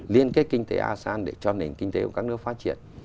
liên kết kinh tế asean để cho nền kinh tế của các nước phát triển